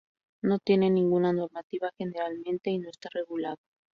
No tiene ninguna normativa generalmente y no esta regulado.